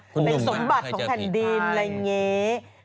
คุณลุงมั้ยไม่เคยเจอพิษภัยเป็นสมบัติของแผ่นดินอะไรอย่างนี้